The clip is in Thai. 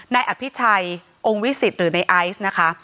นายอภิชัยองค์วิสิตหรือในไอซ์นะคะ